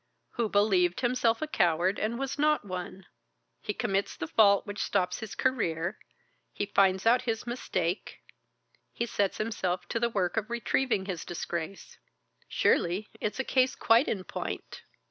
"Who believed himself a coward, and was not one. He commits the fault which stops his career, he finds out his mistake, he sets himself to the work of retrieving his disgrace. Surely it's a case quite in point."